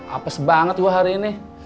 apes banget wah hari ini